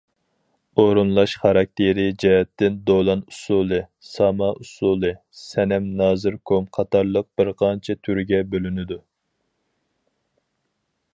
ئورۇنلاش خاراكتېرى جەھەتتىن دولان ئۇسسۇلى، ساما ئۇسسۇلى، سەنەم، نازىركوم... قاتارلىق بىر قانچە تۈرگە بۆلۈنىدۇ.